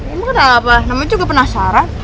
emang kenal apa namanya juga penasaran